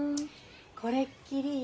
これっきりよ。